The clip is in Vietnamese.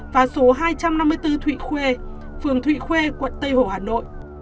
và số hai trăm năm mươi bốn thụy khuê phường thụy khuê quận tây hồ hà nội